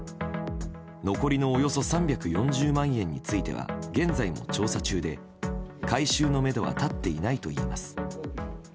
残りのおよそ３４０万円については現在も調査中で回収のめどは立っていないといいます。